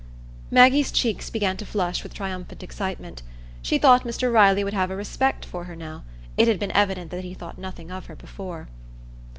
Maggie's cheeks began to flush with triumphant excitement. She thought Mr Riley would have a respect for her now; it had been evident that he thought nothing of her before.